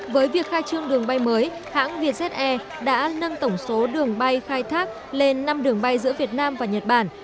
với việc khai trương đường bay mới hãng vietjet air đã nâng tổng số đường bay khai thác lên năm đường bay giữa việt nam và nhật bản